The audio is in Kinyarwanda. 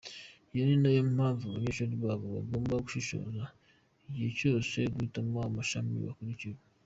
Iyo ni nayo mpamvu abanyeshuri baba bagomba gushishoza igihe cyo guhitamo amashami bakurikira.